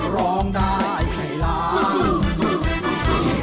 ร้องได้ให้ล้าน